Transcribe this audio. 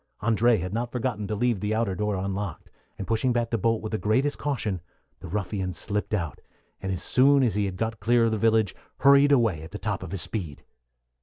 André had not forgotten to leave the outer door unlocked, and pushing back the bolt with the greatest caution, the ruffian slipped out, and as soon as he had got clear of the village hurried away at the top of his speed.